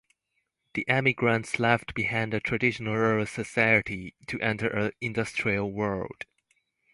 The emigrants left behind a traditional rural society to enter an industrial world.